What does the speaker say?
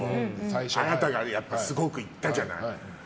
あなたがすごくいったじゃない。